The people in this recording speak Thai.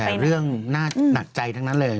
แต่เรื่องน่าหนักใจทั้งนั้นเลย